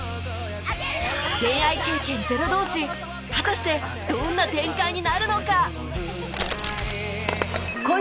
恋愛経験ゼロ同士果たしてどんな展開になるのか？